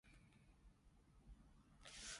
佢最鍾意黑面，黑過墨斗